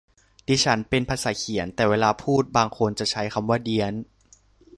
ดิฉันเป็นภาษาเขียน แต่เวลาพูดบางคนจะใช้คำว่าเดี๊ยน